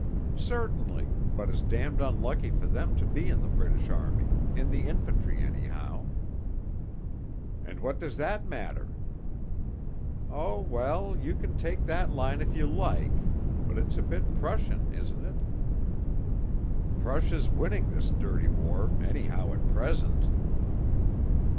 'Certainly, but it's damned unlucky for them to be in the British Army in the infantry, anyhow.' 'And what does that matter?' 'Oh, well, you can take that line if you like but it's a bit Prussian, isn't it?' 'Prussia's winning this dirty war, anyhow, at present.'